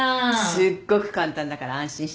すっごく簡単だから安心して。